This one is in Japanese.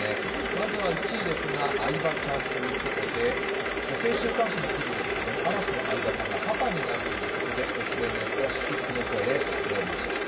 まずは１位ですが相葉ちゃんということで女性週刊誌の記事ですが、嵐の相葉さんがパパになるということでＳＮＳでは祝福の声であふれました。